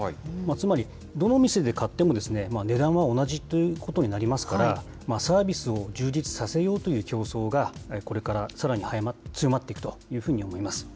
つまり、どの店で買っても値段は同じということになりますから、サービスを充実させようという競争が、これからさらに強まっていくというふうに思います。